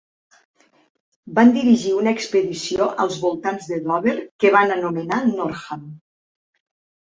Van dirigir una expedició als voltants de Dover que van anomenar Northam.